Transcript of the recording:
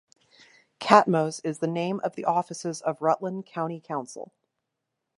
Catmose is the name of the offices of Rutland County Council.